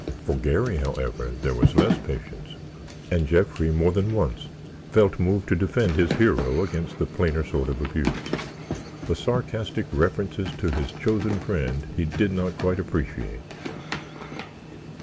For Garry, however, there was less patience and Jeffrey more than once felt moved to defend his hero against the plainer sort of abuse. The sarcastic references to his chosen friend he did not quite appreciate.